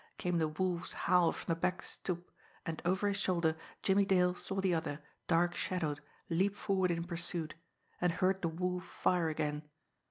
Came the Wolf's howl from the back stoop, and, over his shoulder, Jimmie Dale saw the other, dark shadowed, leap forward in pursuit and heard the Wolf fire again.